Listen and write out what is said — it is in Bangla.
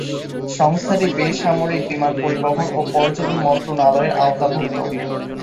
সংস্থাটি বেসামরিক বিমান পরিবহন ও পর্যটন মন্ত্রণালয়ের আওতাভুক্ত।